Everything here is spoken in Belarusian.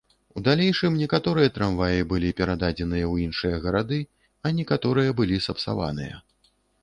У далейшым некаторыя трамваі былі перададзеныя ў іншыя гарады, а некаторыя былі сапсаваныя.